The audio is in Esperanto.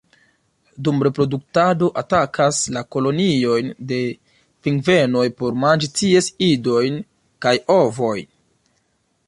Dum reproduktado atakas la koloniojn de pingvenoj por manĝi ties idojn kaj ovojn.